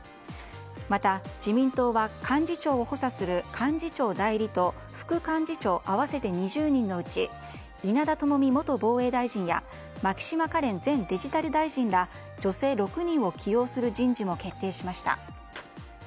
また、自民党は幹事長を補佐する幹事長代理と副幹事長合わせて２０人のうち稲田朋美元防衛大臣や牧島かれん前デジタル大臣ら女性６人を起用する人事も決定しました。